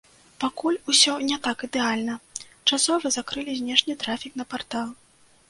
Пакуль усё не так ідэальна, часова закрылі знешні трафік на партал.